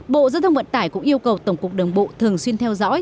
bộ giao thông vận tải cũng yêu cầu tổng cục đường bộ thường xuyên theo dõi